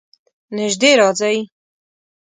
نژدې راځئ